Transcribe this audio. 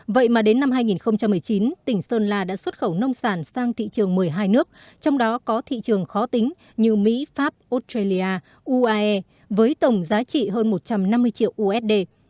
vậy mà đến năm hai nghìn một mươi chín tỉnh sơn la đã xuất khẩu nông sản sang thị trường một mươi hai nước trong đó có thị trường khó tính như mỹ pháp australia uae với tổng giá trị hơn một trăm năm mươi triệu usd